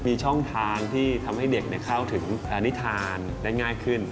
มีช่องทางที่ทำให้เด็กเข้าถึงนิทานได้ง่ายขึ้น